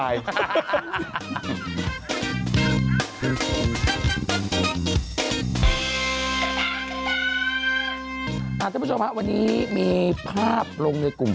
อาจารย์ผู้ชมฮะวันนี้มีภาพลงในกลุ่ม